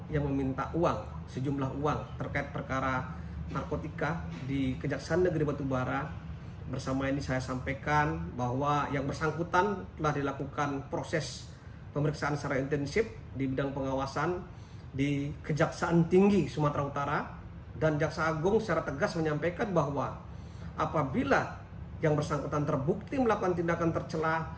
yang bersangkutan terbukti melakukan tindakan tercelah